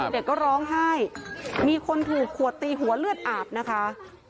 เด็กก็ร้องไห้มีคนถูกขวดตีหัวเลือดอาบนะคะ